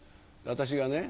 私がね